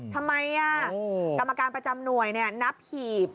ทำไมกรรมการประจำหน่วยนับหีบ